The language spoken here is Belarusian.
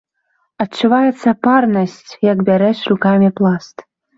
Адчуваецца парнасць, як бярэш рукамі пласт.